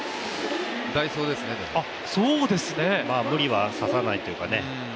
代走ですね、無理はさせないというか。